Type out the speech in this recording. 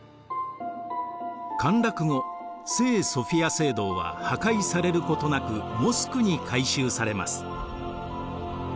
陥落後聖ソフィア聖堂は破壊されることなくモスクに改修されます。